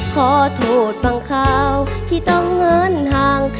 ขอโทษบางคราวที่ต้องเงินห่าง